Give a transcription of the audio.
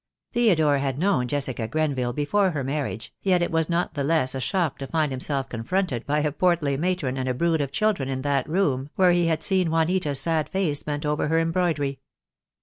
Theodore had known Jessica Gren ville before her marriage, yet it was not the less a shock to find himself confronted by a portly matron and a brood of children in that room where he had seen Juanita's sad face bent over her embroidery.